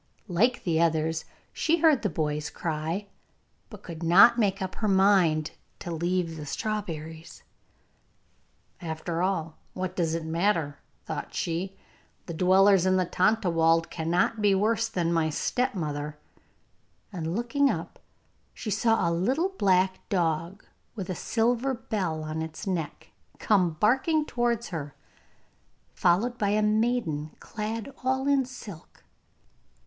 Like the others, she heard the boy's cry, but could not make up her mind to leave the strawberries. 'After all, what does it matter?' thought she. 'The dwellers in the Tontlawald cannot be worse than my stepmother'; and looking up she saw a little black dog with a silver bell on its neck come barking towards her, followed by a maiden clad all in silk.